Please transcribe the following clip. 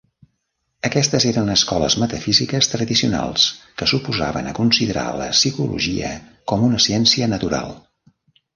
Aquestes eren escoles metafísiques tradicionals, que s'oposaven a considerar la psicologia com una ciència natural.